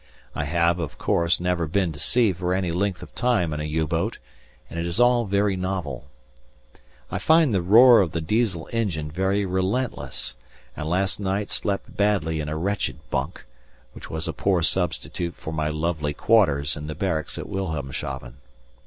I have, of course, never been to sea for any length of time in a U boat, and it is all very novel. I find the roar of the Diesel engine very relentless, and last night slept badly in a wretched bunk, which was a poor substitute for my lovely quarters in the barracks at Wilhelmshaven.